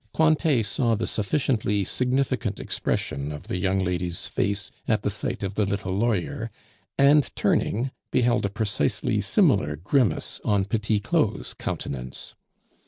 Cointet saw the sufficiently significant expression of the young lady's face at the sight of the little lawyer, and turning, beheld a precisely similar grimace on Petit Claud's countenance.